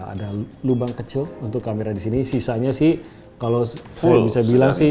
ada lubang kecil untuk kamera di sini sisanya sih kalau full bisa bilang sih